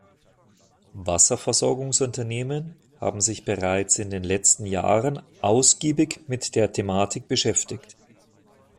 Wasserversorgungsunternehmen haben sich bereits in den letzten Jahren ausgiebig mit der Thematik beschäftigt.